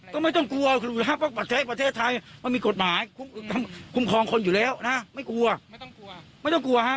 กลัวกลัวทำไม